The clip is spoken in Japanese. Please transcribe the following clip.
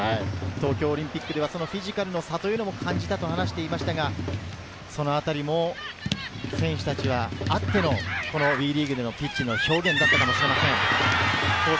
東京オリンピックではフィジカルの差も感じたと話していましたが、そのあたりも選手たちあってのＷＥリーグのピッチでの表現だったのかもしれません。